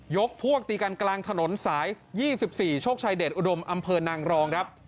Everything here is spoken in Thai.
พวกตีกันกลางถนนสาย๒๔โชคชัยเดชอุดมอำเภอนางรองครับ